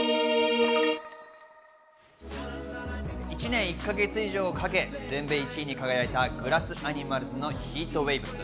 １年１か月以上をかけ、全米１位に輝いたグラス・アニマルズの『ＨｅａｔＷａｖｅｓ』。